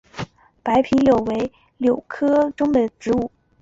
白皮柳为杨柳科柳属的植物。